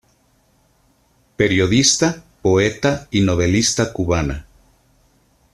Periodista, poeta y novelista cubana.